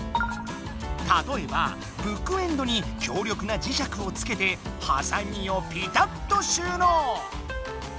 たとえばブックエンドに強力な磁石をつけてハサミをピタッと収納！